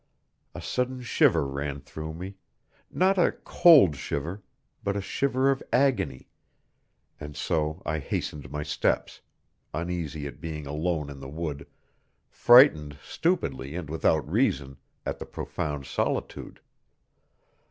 A sudden shiver ran through me, not a cold shiver, but a shiver of agony, and so I hastened my steps, uneasy at being alone in the wood, frightened stupidly and without reason, at the profound solitude.